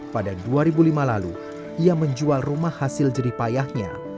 pada dua ribu lima lalu ia menjual rumah hasil jeripayahnya